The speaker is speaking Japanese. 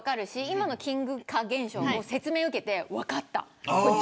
今のキング化現象も説明を受けて分かった。